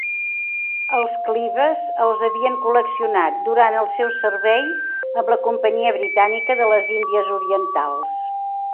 Els Clives els havien col·leccionat durant el seu servei amb la Companyia Britànica de les Índies Orientals.